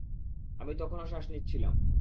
আমি তখনও শ্বাস নিচ্ছিলাম।